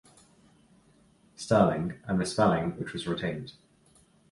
Sterling, a misspelling which was retained.